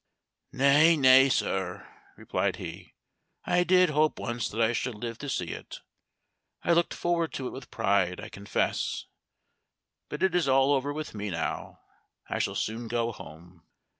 "Nay, nay, sir," replied he, "I did hope once that I should live to see it I looked forward to it with pride, I confess, but it is all over with me now I shall soon go home!"